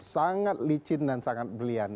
sangat licin dan sangat berlian